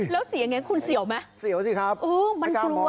แล้วเสียงยังไงคุณเสียวไหม